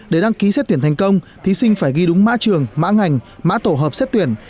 để đăng ký xét tuyển thành công thí sinh phải ghi đúng mã trường mã ngành mã tổ hợp xét tuyển